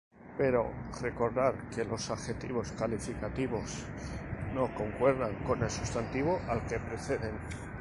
Pero recordar que los adjetivos calificativos no concuerdan con el sustantivo al que preceden.